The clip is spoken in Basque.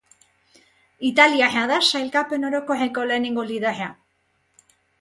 Italiarra da sailkapen orokorreko lehenengo liderra.